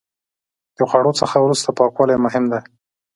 د خوړو څخه وروسته پاکوالی مهم دی.